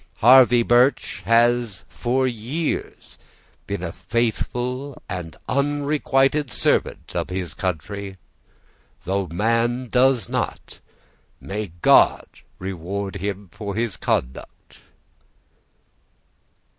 Harvey Birch has for years been a faithful and unrequited servant of his country. Though man does not, may God reward him for his conduct!"